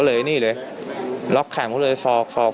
ต่อยอีกต่อยอีกต่อยอีกต่อยอีก